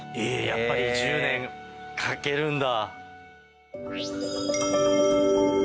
やっぱり１０年かけるんだ。